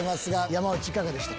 山内いかがでした？